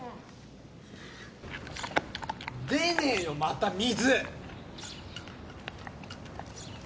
出ねえよまた水。